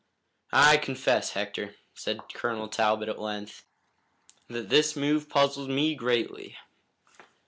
"I confess, Hector," said Colonel Talbot at length, "that this move puzzles me greatly."